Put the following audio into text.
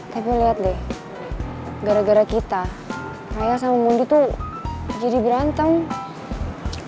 tapi lo liat deh gara gara kita raya sama mondi tuh jadi berantem